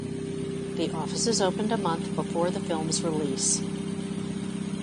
The offices opened a month before the film's release.